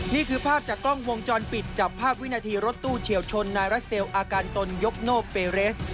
นี่คือภาพจากกล้องวงจรปิดจับภาพวินาทีรถตู้เฉียวชนนายรัสเซลอาการตนยกโน่เปเรส